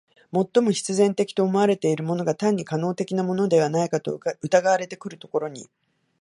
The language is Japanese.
最も必然的と思われているものが単に可能的なものではないかと疑われてくるところに、